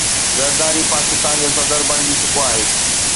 زرداري پاڪستان جو صدر بڻجي چڪو آهي